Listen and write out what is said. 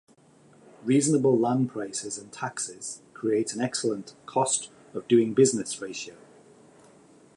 Reasonable land prices and taxes create an excellent "cost of doing business ratio".